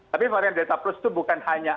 tapi varian delta plus itu bukan hanya